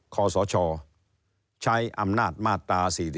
ขอสชใช้อำนาจมาตรา๔๔